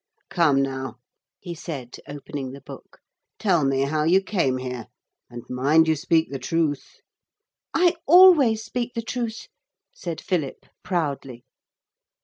'Come now,' he said, opening the book, 'tell me how you came here. And mind you speak the truth.' 'I always speak the truth,' said Philip proudly.